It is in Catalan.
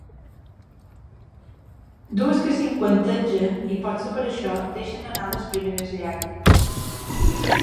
Dues que cinquantegen i, potser per això, deixen anar les primeres llàgrimes.